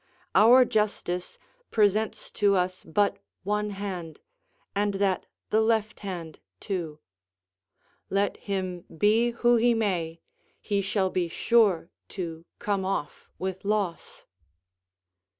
Our justice presents to us but one hand, and that the left hand, too; let him be who he may, he shall be sure to come off with loss.